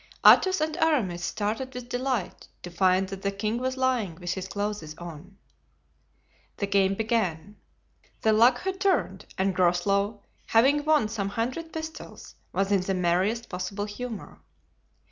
Athos and Aramis started with delight to find that the king was lying with his clothes on. The game began. The luck had turned, and Groslow, having won some hundred pistoles, was in the merriest possible humor.